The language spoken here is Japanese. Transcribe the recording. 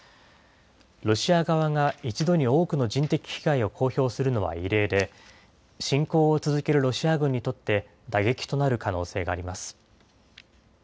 ロシア側が一度に多くの人的被害を公表するのは異例で、侵攻を続けるロシア軍にとって打撃となる可能性があります。